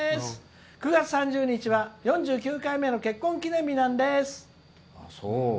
９月３０日は４９回目の結婚記念日なんです。